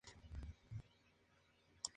Las flores son muy fragantes.